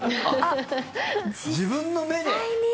自分の目で。